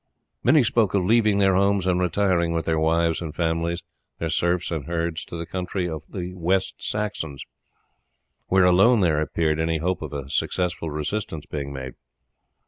Many spoke of leaving their homes and retiring with their wives and families, their serfs and herds to the country of the West Saxons, where alone there appeared any hope of a successful resistance being made.